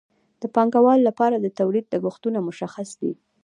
د پانګوال لپاره د تولید لګښتونه مشخص دي